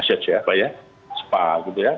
spa gitu ya